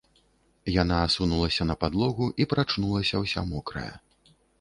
Яна асунулася на падлогу і прачнулася ўся мокрая.